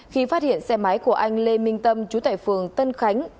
khi phát hiện xe máy của anh lê minh tâm chú tại phường tân khánh